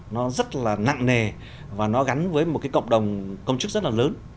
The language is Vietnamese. nó rất là nặng nề và nó gắn với một cái cộng đồng công chức rất là lớn